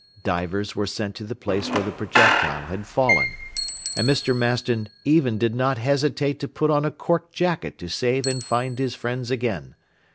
Divers were sent to the place where the projectile had fallen. And Mr. Maston even did not hesitate to put on a cork jacket to save and find his friends again.